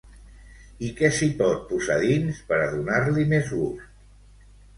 I què s'hi pot posar dins, per a donar-li més gust?